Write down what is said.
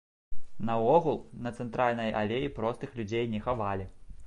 Наогул, на цэнтральнай алеі простых людзей не хавалі.